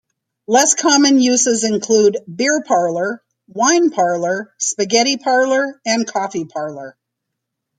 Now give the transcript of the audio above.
Less common uses include "beer parlour", "wine parlour", "spaghetti parlour", and "coffee parlour".